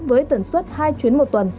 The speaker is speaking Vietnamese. với tần suất hai chuyến một tuần